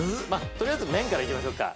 とりあえず麺からいきましょうか。